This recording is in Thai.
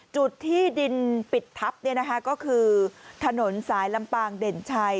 จุดที่ดินปิดทัพเนี่ยนะคะก็คือถนนสายลำปางเด่นชาย